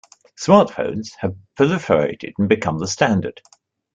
Smartphones have proliferated and become the standard.